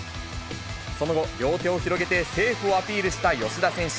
その後、両手を広げてセーフをアピールした吉田選手。